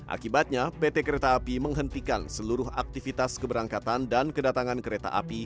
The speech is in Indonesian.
akibatnya pt kereta api menghentikan seluruh aktivitas keberangkatan dan kedatangan kereta api